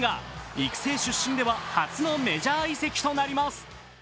育成出身では初のメジャー移籍となります。